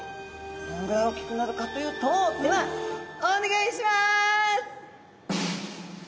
どんぐらいおっきくなるかというとではお願いします！